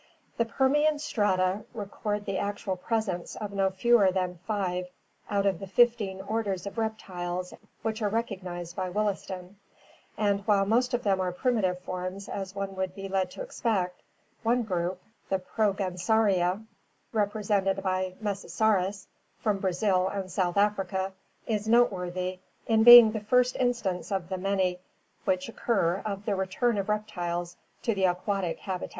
The Permian strata record the actual presence of no fewer than five out of the fifteen orders of reptiles which are recognized by Williston, and while most of them are primitive forms as one would be led to expect, one group, the Proganosauria, represented by Mesosaurus (Fig. 148) from Brazil and South Africa, is noteworthy in being the first instance of the many which occur of the return of reptiles to the aquatic habitat.